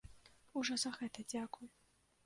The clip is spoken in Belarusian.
Ужо за гэта дзякуй.